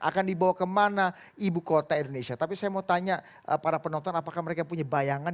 akan dibawa kemana ibu kota indonesia tapi saya mau tanya para penonton apakah mereka punya bayangan